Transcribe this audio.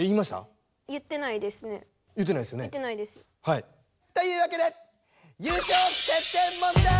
言ってないですよね。というわけでやった！